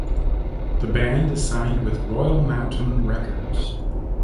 The band is signed with Royal Mountain Records.